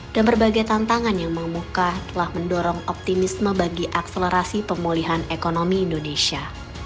dan berbagai tantangan yang memuka telah mendorong optimisme bagi akselerasi pemulihan ekonomi indonesia